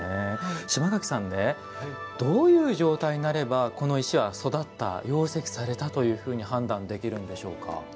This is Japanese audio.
柴垣さん、どういう状態になればこの石は育った養石されたというふうに判断できるんでしょうか？